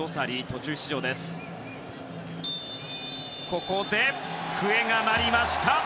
ここで笛が鳴りました。